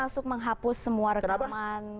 termasuk menghapus semua rekaman